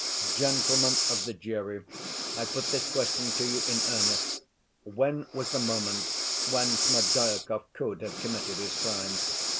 Gentlemen of the jury, I put this question to you in earnest; when was the moment when Smerdyakov could have committed his crime?